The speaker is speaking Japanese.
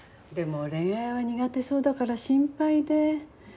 でも恋愛は苦手そうだから心配で。